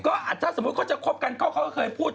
ก็ถ้าสมมุติเขาจะคบกันเขาก็เคยพูด